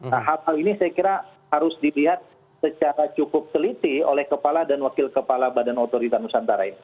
nah hal hal ini saya kira harus dilihat secara cukup teliti oleh kepala dan wakil kepala badan otorita nusantara ini